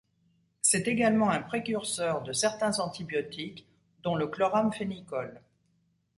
C'est également un précurseur de certains antibiotiques, dont le chloramphénicol.